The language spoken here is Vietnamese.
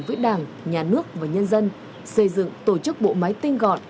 với đảng nhà nước và nhân dân xây dựng tổ chức bộ máy tinh gọn